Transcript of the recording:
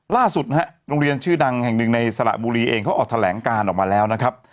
ล่าสุดนะฮะโรงเรียนชื่อดังแห่งหนึ่งในสระบุรีเองเขาออกแถลงการออกมาแล้วนะครับ